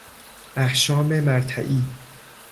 احشام مرتعی